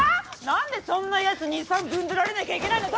何でそんな奴に遺産ぶん取られなきゃいけないの。